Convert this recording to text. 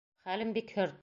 Хәлем бик хөрт...